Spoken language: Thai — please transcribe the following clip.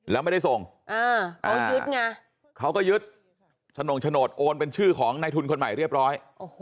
แล้วไม่ได้ส่งเขายึดไงเขาก็ยึดฉนงโฉนดโอนเป็นชื่อของในทุนคนใหม่เรียบร้อย